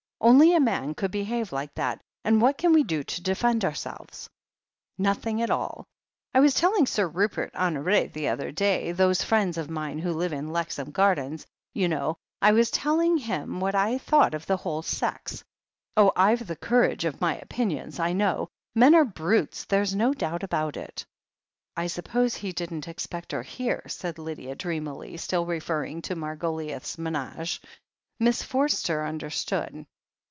Only a man could behave like that, and what can we do to defend ourselves ? Nothing at all. I was telling Sir Rupert Honoret the other day — ^those friends of mine who live in Lexham Gardens, you know — I was telling him what I thought of the whole sex. Oh, I've the courage of my opinions, I know. Men are brutes — there's no doubt about it." "I suppose he didn't expect her here?" said Lydia dreamily, still referring to the Margoliouth menage. Miss Forster understood.